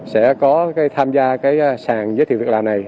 sẽ có tham gia cái sàn giới thiệu việc làm này